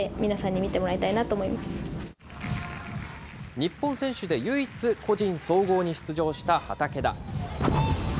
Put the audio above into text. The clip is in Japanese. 日本選手で唯一、個人総合に出場した畠田。